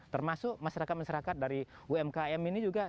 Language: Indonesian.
termasuk masyarakat masyarakat dari umkm ini juga